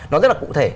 nó rất là cụ thể